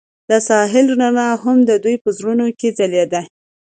د ساحل رڼا هم د دوی په زړونو کې ځلېده.